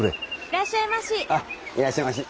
いらっしゃいまし！